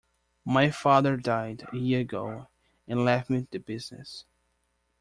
My father died a year ago and left me the business.